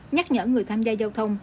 nhắc nhở người tham gia giao thông